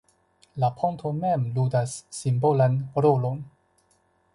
La ponto mem ludas simbolan rolon.